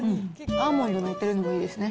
アーモンド載ってるのいいですね。